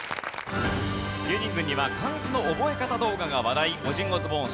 芸人軍には漢字の覚え方動画が話題オジン